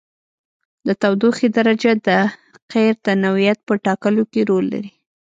د تودوخې درجه د قیر د نوعیت په ټاکلو کې رول لري